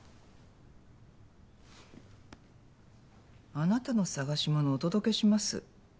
あなたの探しものお届けします？